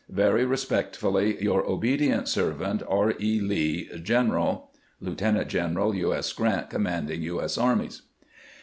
Very respectfully, your obedient servant, R. E. Lee, Cx fin PT*3 1 Lieutenant general U. S. Grant, Commanding U. S. Armies.